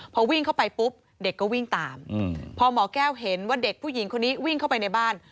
พอวิ่งเข้าไปปุ๊บเด็กก็วิ่งตามพอหมอแก้วเห็นว่าเด็กผู้หญิงคนนี้วิ่งเข้าไปในบ้าน